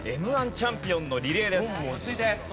Ｍ−１チャンピオンのリレーです。